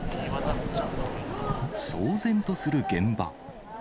騒然とする現場。